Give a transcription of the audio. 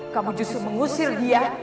kamu justru mengusir dia